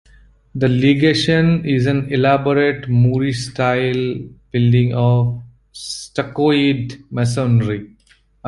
The legation is an elaborate Moorish-style building of stuccoed masonry.